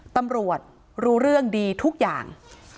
ตำรวจรู้เรื่องดีทุกอย่าง